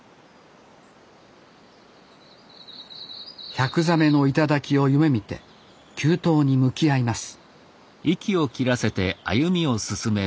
１００座目の頂を夢みて急登に向き合います